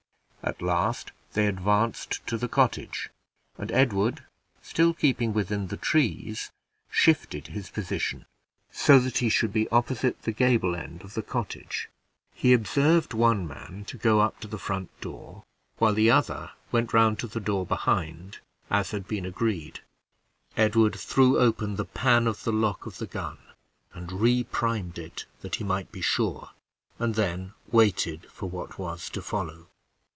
At last they advanced to the cottage, and Edward, still keeping within the trees, shifted his position, so that he should be opposite the gable end of the cottage. He observed one man to go up to the front door, while the other went round to the door behind, as had been agreed. Edward threw open the pan of the lock of the gun, and reprimed it, that he might be sure, and then waited for what was to follow.